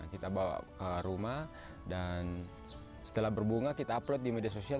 kita bawa ke rumah dan setelah berbunga kita upload di media sosial